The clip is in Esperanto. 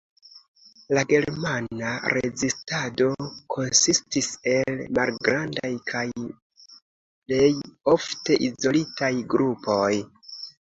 La Germana rezistado konsistis el malgrandaj kaj plej ofte izolitaj grupoj.